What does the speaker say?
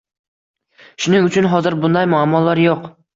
Shuning uchun hozir bunday muammolar yoʻq.